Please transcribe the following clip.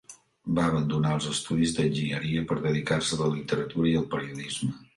Va abandonar els estudis d'enginyeria per dedicar-se a la literatura i al periodisme.